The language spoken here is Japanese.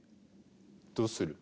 どうする？